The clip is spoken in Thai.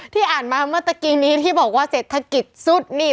อ่านมาเมื่อตะกี้นี้ที่บอกว่าเศรษฐกิจสุดนี่